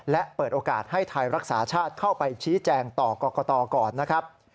และเปิดโอกาสให้ไทยรักษาชาติเข้าไปชี้แจงต่อกรกตก่อนนะครับ